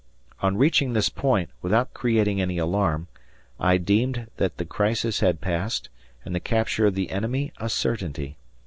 On reaching this point, without creating any alarm, I deemed that the crisis had passed, and the capture of the enemy a certainty.